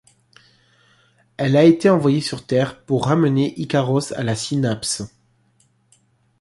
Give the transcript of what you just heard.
Elle a été envoyée sur Terre pour ramener Ikaros à la Synapse.